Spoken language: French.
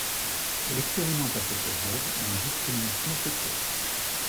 Elle expérimente à cette période une discrimination sexuelle.